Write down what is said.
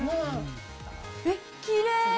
えっ、きれい！